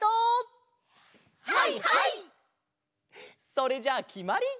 それじゃあきまり！